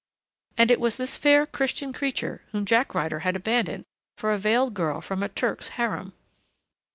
And it was this fair Christian creature whom Jack Ryder had abandoned for a veiled girl from a Turk's harem!